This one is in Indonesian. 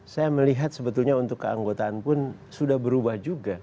saya melihat sebetulnya untuk keanggotaan pun sudah berubah juga